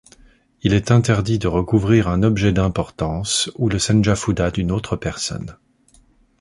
Il est interdit de recouvrir un objet d'importance ou le senjafuda d'une autre personne.